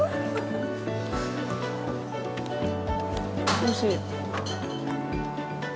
おいしい。